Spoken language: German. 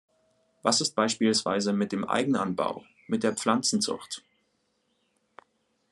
Was ist beispielsweise mit dem Eigenanbau, mit der Pflanzenzucht?